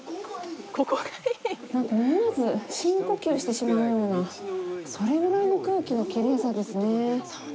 なんか思わず深呼吸してしまうようなそれぐらいの空気のきれいさですね。